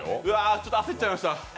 ちょっと焦っちゃいました。